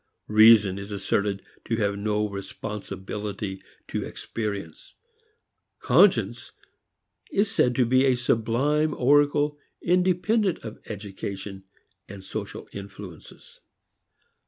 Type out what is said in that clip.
Reason is asserted to have no responsibility to experience; conscience is said to be a sublime oracle independent of education and social influences.